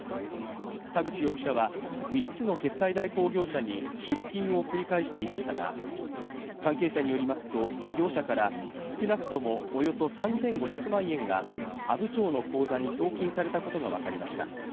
田口容疑者は３つの決済代行業者に出金を繰り返していましたが関係者によりますと、業者から少なくともおよそ３５００万円が阿武町の口座に送金されたことが分かりました。